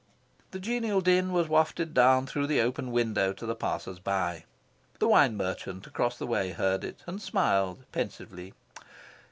The genial din was wafted down through the open window to the passers by. The wine merchant across the way heard it, and smiled pensively.